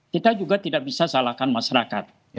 kita juga tidak bisa salahkan masyarakat